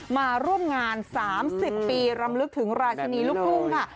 มาร่วมงาน๓๐ปีรำลึกถึงราชินีลูกทุ่งค่ะ